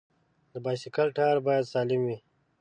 د بایسکل ټایر باید سالم وي.